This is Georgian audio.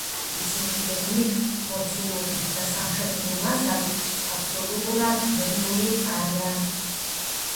ისინი გეგმით, მოცულობით და სამშენებლო მასალით აბსოლუტურად იდენტური არიან.